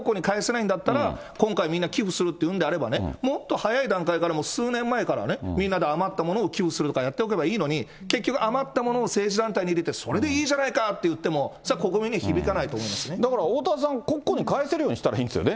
国庫に返せないんだったら、今回みんな寄付するというんであれば、もっと早い段階からもう、数年前からみんなで余ったものを寄付するかやっておけばいいのに、結局、余ったものを政治団体に入れて、それでいいじゃないかっていっても、それは国民に響かないと思いますだから、おおたわさん、国庫に返せるようにすればいいんですよね。